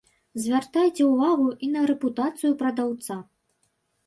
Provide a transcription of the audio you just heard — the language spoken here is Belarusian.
Звяртайце ўвагу і на рэпутацыю прадаўца.